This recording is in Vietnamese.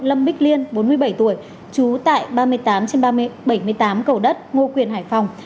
lâm bích liên bốn mươi bảy tuổi trú tại ba mươi tám trên bảy mươi tám cầu đất ngô quyền hải phòng